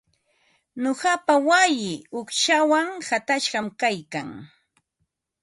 Nuqapa wayii uqshawan qatashqam kaykan.